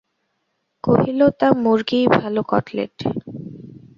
কহিল, তা, মুর্গিই ভালো, কটলেট!